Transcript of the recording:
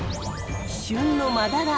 旬のマダラ。